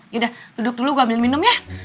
ya udah duduk dulu gue ambil minum ya